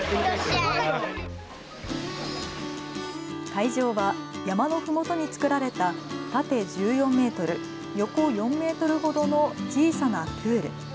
会場は山のふもとに作られた縦１４メートル、横４メートルほどの小さなプール。